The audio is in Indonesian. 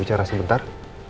bisa bicara sebentar